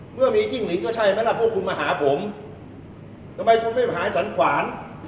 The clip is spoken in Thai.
เมื่อมีจิ้งหลีกก็ใช่ไหมล่ะพวกคุณมาหาผมทำไมคุณไม่หายสันขวาน